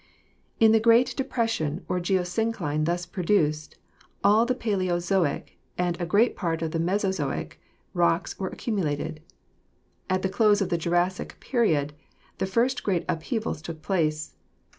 "In the great depression or geosyncline thus produced all the Paleozoic and a great part of the Mesozoic rocks were accumulated. At the close of the Jurassic Period the first great upheavals took place.